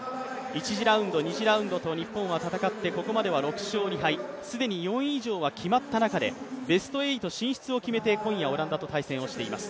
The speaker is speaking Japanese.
１次ラウンド、２次ラウンドと日本は戦ってここまでは６勝２敗、既に４位以上は決まった中でベスト８進出を決めて今夜オランダと対戦しています。